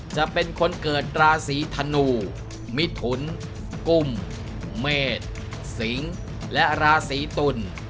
จะเป็นคนเกิดราศีธนูมิถุนกุมเมษสิงและราศีตุล